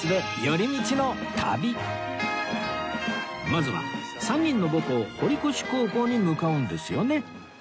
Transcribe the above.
まずは３人の母校堀越高校に向かうんですよね